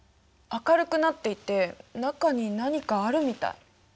明るくなっていて中に何かあるみたい。